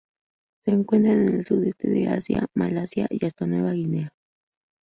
Se encuentran en el sudeste de Asia, Malasia y hasta Nueva Guinea.